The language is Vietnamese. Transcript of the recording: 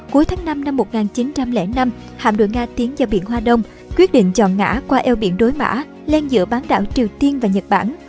cuối tháng năm năm một nghìn chín trăm linh năm hạm đội nga tiến vào biển hoa đông quyết định chọn ngã qua eo biển đối mã len giữa bán đảo triều tiên và nhật bản